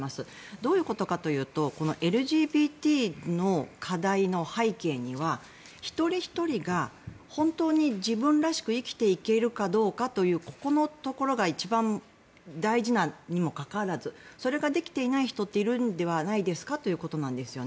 どういうことかというとＬＧＢＴの課題の背景には一人ひとりが本当に自分らしく生きていけるかどうかというここのところが一番大事にもかかわらずそれができていない人っているのではないですかということですね。